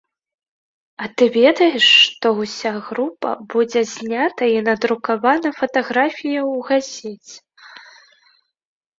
А ты ведаеш, што ўся група будзе знята і надрукавана фатаграфія ў газеце.